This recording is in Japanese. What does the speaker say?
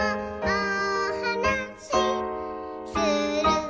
おはなしする」